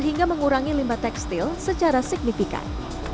hingga mengurangi limbah tekstil secara signifikan